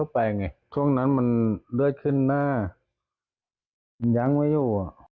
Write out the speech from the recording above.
ไปไงพรุ่งนั้นมันเลือดขึ้นหน้ายังไว้อยู่